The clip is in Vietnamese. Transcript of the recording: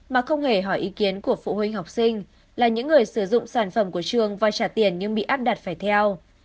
mà không hề hỏi ý kiến của phụ huynh học sinh là những người sử dụng sản phẩm của trường và trả tiền nhưng bị áp đặt phải theo